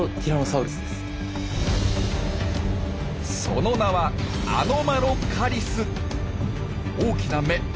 その名は大きな眼！